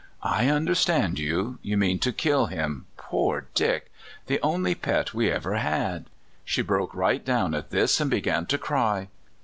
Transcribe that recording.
'* I understand you — you mean to kill him — poor Dick! the only pet we ever had." She broke right down at this, and began to cry.